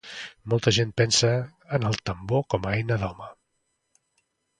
Molta gent pensa en el tambor com a eina d'home.